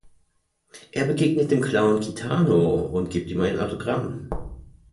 Er begegnet dem Clown Kitano, und gibt ihm ein Autogramm.